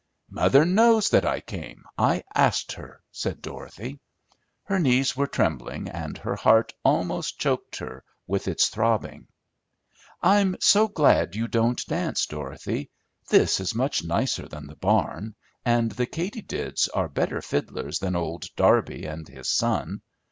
"Mother knows that I came; I asked her," said Dorothy. Her knees were trembling and her heart almost choked her with its throbbing. "I'm so glad you don't dance, Dorothy. This is much nicer than the barn, and the katydids are better fiddlers than old Darby and his son.